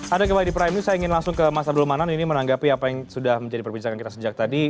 ada kembali di prime news saya ingin langsung ke mas abdul manan ini menanggapi apa yang sudah menjadi perbincangan kita sejak tadi